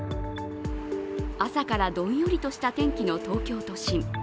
朝からどんよりとした天気の東京都心。